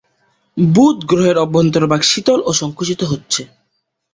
বুধ গ্রহের অভ্যন্তরভাগ শীতল ও সংকুচিত হচ্ছে।